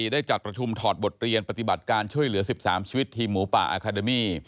ได้จัดประชุมถอดบทเรียนปฏิบัติการช่วยเหลือ๑๓ชีวิตทีมหมูป่าอาคาเดมี่